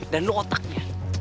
dan lo otaknya